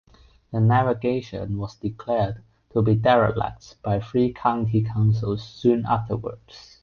The navigation was declared to be derelict by three County Councils soon afterwards.